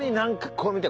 これ見て。